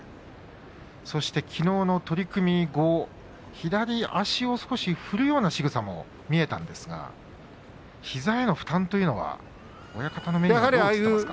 そして、きのうの取組後左足を少し振るようなしぐさも見えたんですが膝への負担というのは親方の目にはどう映っていますか。